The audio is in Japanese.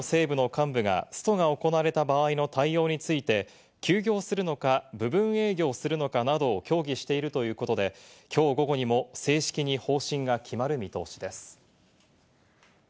現在、そごう・西武の幹部がストが行われた場合の対応について休業するのか、部分営業をするのかなどを協議しているということで、きょう午後にも正式に方針が決まる見通しです。